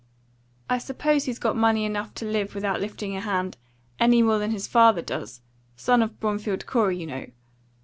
I suppose he's got money enough to live without lifting a hand, any more than his father does; son of Bromfield Corey, you know.